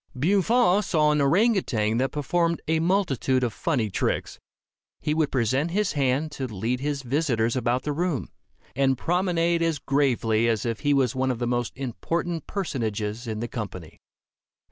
Buffon saw an orang outang that performed a multitude of funny tricks. He would present his hand to lead his visitors about the room, and promenade as gravely as if he was one of the most important personages in the company.